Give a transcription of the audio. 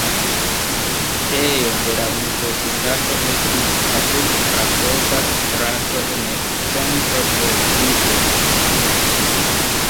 Ejo de la universitato estis apud krakova strato en centro de Lvivo.